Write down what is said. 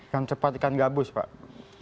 yang cepat ikan gabus pak